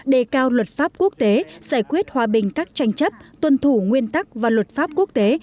đề cao luật pháp quốc tế giải quyết hòa bình các tranh chấp tuân thủ nguyên tắc và luật pháp quốc tế